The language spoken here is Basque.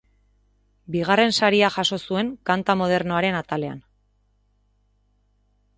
Bigarren saria jaso zuen kanta modernoaren atalean.